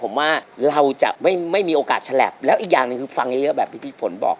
ผมว่าเราจะไม่มีโอกาสฉลับแล้วอีกอย่างหนึ่งคือฟังเยอะแบบที่พี่ฝนบอก